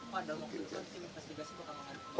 pada waktu itu kan tim investigasi bukan mengandung